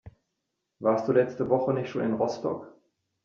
Warst du letzte Woche nicht schon in Rostock?